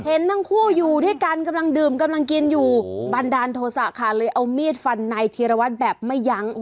เห็นทั้งคู่อยู่ด้วยกันกำลังดื่มกำลังกินอยู่บันดาลโทษะค่ะเลยเอามีดฟันนายธีรวัตรแบบไม่ยั้ง